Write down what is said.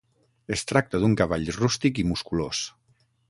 Es tracta d'un cavall rústic i musculós.